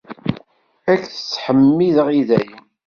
Ad k-ttḥemmideɣ i dayem.